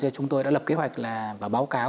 chúng tôi đã lập kế hoạch và báo cáo